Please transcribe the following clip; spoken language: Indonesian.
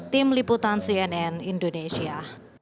tim liputan cnn indonesia